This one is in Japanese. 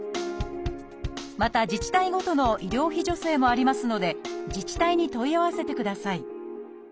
また自治体ごとの医療費助成もありますので自治体に問い合わせてください